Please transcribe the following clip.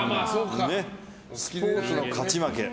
スポーツの勝ち負け。